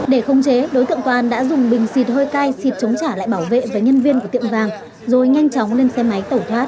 để không chế đối tượng toàn đã dùng bình xịt hơi cay xịt chống trả lại bảo vệ và nhân viên của tiệm vàng rồi nhanh chóng lên xe máy tẩu thoát